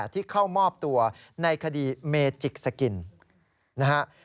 ที่เข้ามอบตัวในคดีเมจิกสกินนะครับ